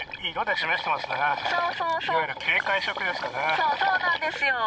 そうそうなんですよ。